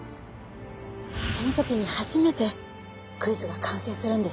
その時に初めてクイズが完成するんです。